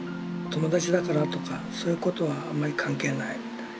友達だからとかそういうことはあんまり関係ないみたい。